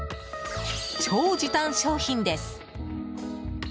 超時短商品です。